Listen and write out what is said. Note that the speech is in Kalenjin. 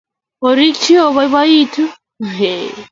Orikyi oboibo-itu;